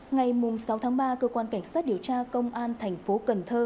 ngày sáu tháng ba cơ quan cảnh sát điều tra công an tp cn